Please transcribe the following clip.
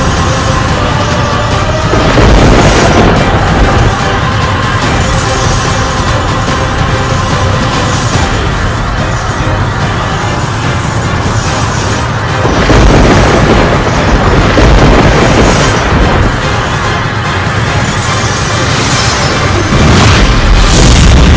terima kasih raden